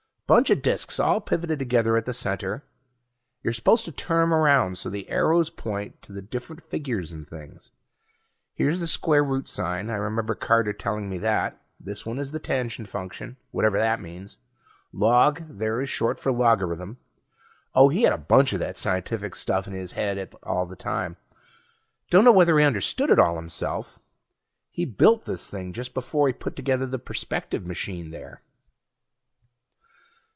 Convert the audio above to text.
Bunch of disks all pivoted together at the center; you're supposed to turn 'em around so the arrows point to the different figures and things. Here's the square root sign, I remember Carter telling me that. This one is the Tangent Function, whatever that means. Log, there, is short for logarithm. Oh, he had a bunch of that scientific stuff in his head all the time; dunno whether he understood it all himself. He built this thing just before he put together the perspective machine there.